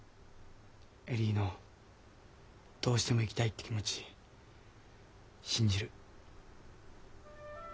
恵里のどうしても行きたいって気持ち信じる。